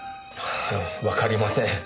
わかりません。